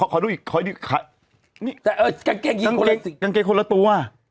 เอ่อขอดูอีกขอดูอีกนี่แต่เออกางเกงกินคนละสีกางเกงคนละตัวอ่ะ